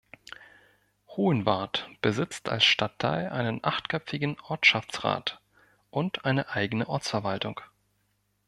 Hohenwart besitzt als Stadtteil einen achtköpfigen Ortschaftsrat und eine eigene Ortsverwaltung.